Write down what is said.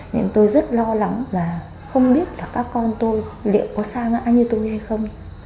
nên tôi rất lo lắng và không biết là các con tôi liệu có xa ngã như tôi hay không